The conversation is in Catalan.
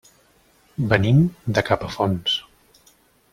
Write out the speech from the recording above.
Venim de Capafonts.